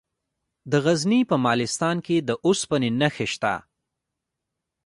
د غزني په مالستان کې د اوسپنې نښې شته.